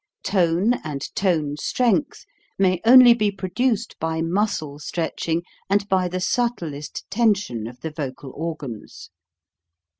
Tone and tone strength may only be produced by muscle stretching and by the subtlest tension of the vocal organs.